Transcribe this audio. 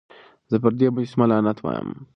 زه پر دې مجسمه لعنت وايم.